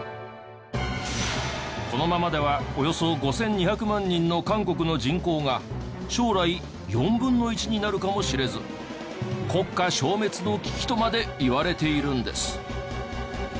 このままではおよそ５２００万人の韓国の人口が将来４分の１になるかもしれず国家消滅の危機とまで言われているんです。